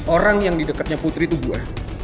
orang yang di dekatnya putri itu gue